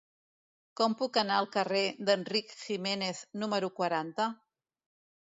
Com puc anar al carrer d'Enric Giménez número quaranta?